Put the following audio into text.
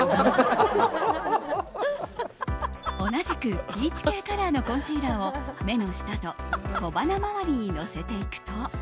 同じくピーチ系カラーのコンシーラーを目の下と小鼻周りにのせていくと。